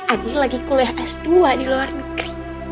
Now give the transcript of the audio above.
adi lagi kuliah s dua di luar negeri